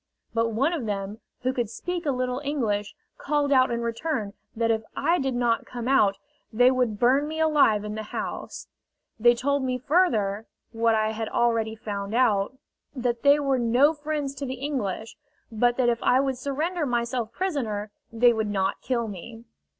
But one of them, who could speak a little English, called out in return that if I did not come out they would burn me alive in the house. They told me further what I had already found out that they were no friends to the English, but that if I would surrender myself prisoner they would not kill me.